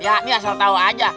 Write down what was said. ya ini asal tahu aja